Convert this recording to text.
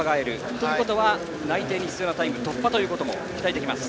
ということは内定に必要なタイム突破も期待できます。